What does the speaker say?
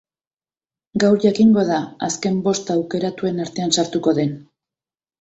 Gaur jakingo da azken bost aukeratuen artean sartuko den.